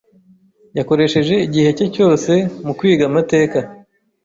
Yakoresheje igihe cye cyose mu kwiga amateka.